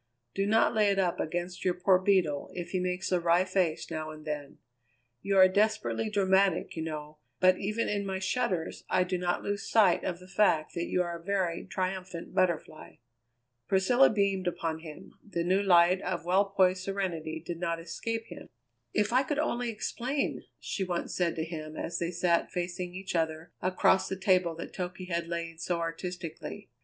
Do not lay it up against your poor Beetle if he makes a wry face now and then. You are desperately dramatic, you know, but even in my shudders I do not lose sight of the fact that you are a very triumphant Butterfly." Priscilla beamed upon him; the new light of well poised serenity did not escape him. "If I could only explain!" she once said to him as they sat facing each other across the table that Toky had laid so artistically.